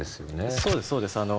そうですそうです。